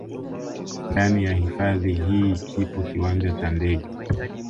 Ndani ya hifadhi hii kipo kiwanja cha ndege